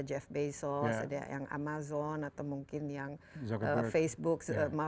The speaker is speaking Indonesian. jeff bezos ada yang amazon atau mungkin yang facebook